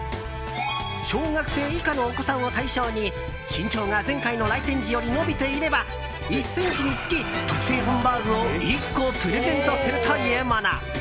小学生以下のお子さんを対象に身長が前回の来店時より伸びていれば１ｃｍにつき、特製ハンバーグを１個プレゼントするというもの。